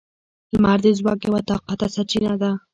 • لمر د ځواک یوه طاقته سرچینه ده.